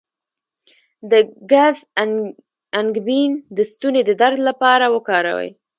د ګز انګبین د ستوني د درد لپاره وکاروئ